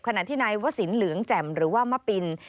ขณะที่นายวสินเหลืองแจ่มหรือว่ามะปิน